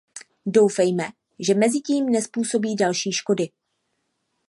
Doufejme, že mezitím nezpůsobí další škody.